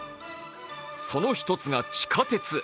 その一つが地下鉄。